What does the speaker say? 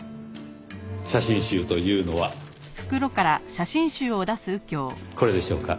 写真集というのはこれでしょうか？